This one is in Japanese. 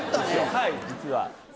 はい実は。